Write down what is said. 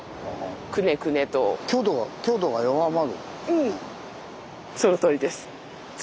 うんそのとおりです。